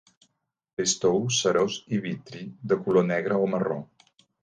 És tou, cerós i vitri de color negre o marró.